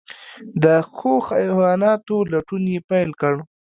د ښو حیواناتو لټون یې پیل کړ.